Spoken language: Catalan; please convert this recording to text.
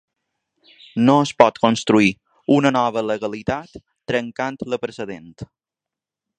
No es pot construir una nova legalitat trencant la precedent